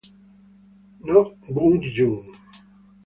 Noh Byung-jun